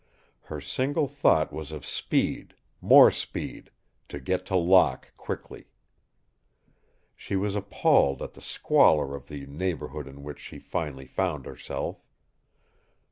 Her single thought was of speed, more speed, to get to Locke quickly. She was appalled at the squalor of the neighborhood in which she finally found herself.